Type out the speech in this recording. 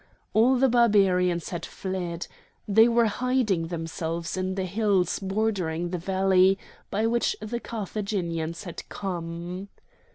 All the Barbarians had fled. They were hiding themselves in the hills bordering the valley by which the Carthaginians had come.